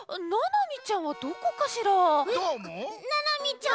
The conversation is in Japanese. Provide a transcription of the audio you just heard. ななみちゃん？